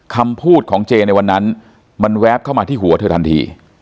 คำพูดของเจในวันนั้นมันแวบเข้ามาที่หัวเธอทันที